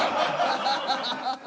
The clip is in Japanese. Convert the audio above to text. ハハハハ！